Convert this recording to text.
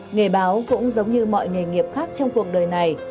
nghề báo cũng giống như mọi nghề nghiệp khác trong cuộc đời này